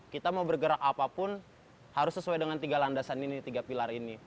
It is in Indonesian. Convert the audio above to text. kita mau bergerak apapun harus sesuai dengan tiga landasan ini tiga pilar ini